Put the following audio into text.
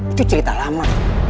itu cerita lama